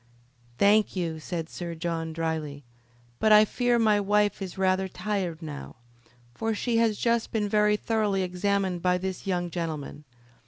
"Thank you," said Sir John, dryly. "But I fear my wife is rather tired now, for she has just been very thoroughly examined by this young gentleman.